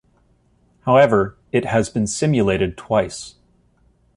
However, it has been simulated twice.